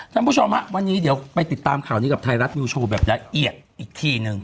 คุณผู้ชมฮะวันนี้เดี๋ยวไปติดตามข่าวนี้กับไทยรัฐนิวโชว์แบบละเอียดอีกทีหนึ่ง